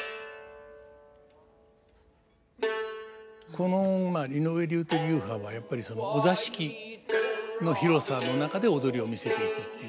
この井上流という流派はやっぱりお座敷の広さの中で踊りを見せていくっていう。